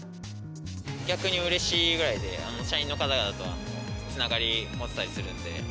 逆にうれしいぐらいで、社員の方々とつながりを持てたりするので。